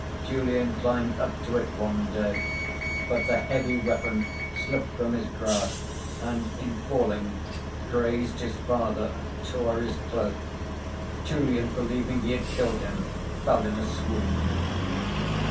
Julian climbed up to it one day, but the heavy weapon slipped from his grasp, and in falling grazed his father and tore his cloak. Julian, believing he had killed him, fell in a swoon.